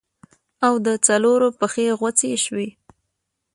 او د څلورو پښې غوڅې سوې.